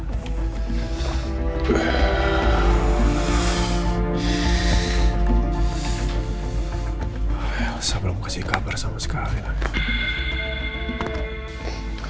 ibu saya belum kasih kabar sama sekali lagi